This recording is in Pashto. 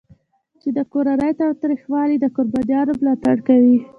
چې د کورني تاوتریخوالي د قربانیانو ملاتړ کوي.